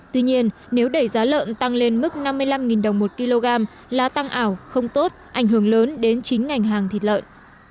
tuy nhiên nếu đẩy giá lợn tăng lên mức năm mươi năm đồng một kg là tăng ảo không tốt ảnh hưởng lớn đến chính ngành hàng thịt lợn